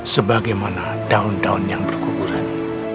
sebagaimana daun daun yang berkuburan